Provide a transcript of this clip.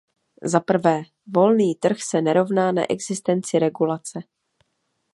Za prvé, volný trh se nerovná neexistenci regulace.